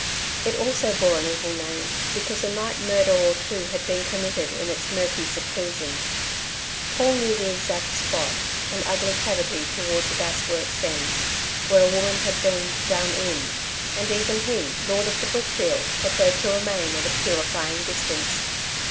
It also bore an evil name because a night murder or two had been committed in its murky seclusion. Paul knew the exact spot, an ugly cavity toward the gasworks end, where a woman had been "done in," and even he, lord of the brickfield, preferred to remain at a purifying distance.